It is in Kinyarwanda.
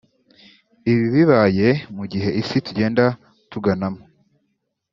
Ibi bibaye mu gihe isi tugenda tuganamo